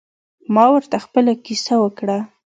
ما ورته خپله کیسه وکړه.